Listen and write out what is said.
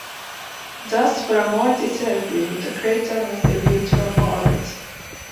Thus for a more detailed view, the crater must be viewed from orbit.